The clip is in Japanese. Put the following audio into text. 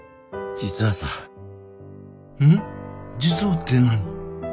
実はって何？